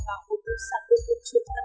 và chủ động sẵn sàng dự án đảm bảo